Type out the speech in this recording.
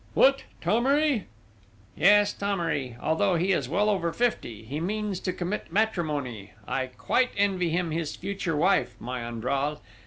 "What! Thomery?" "Yes, Thomery! Although he is well over fifty, he means to commit matrimony! I quite envy him his future wife, my Andral!